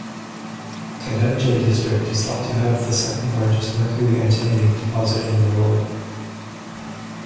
Kadamjay district is thought to have the second largest mercury-antimony deposit in the world.